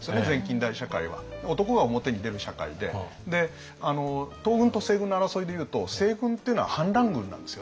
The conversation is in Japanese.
男が表に出る社会で東軍と西軍の争いでいうと西軍っていうのは反乱軍なんですよね。